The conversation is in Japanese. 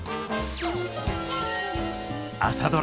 「朝ドラ」